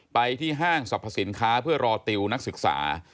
ไปที่ห้างสรรพสินค้าเพื่อรอติวนักศึกษา